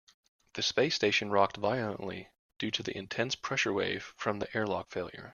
The space station rocked violently due to the intense pressure wave from the airlock failure.